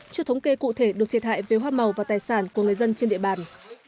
chưa thống kê cụ thể được thiệt hại về hoa màu và tài sản của người dân trên địa bàn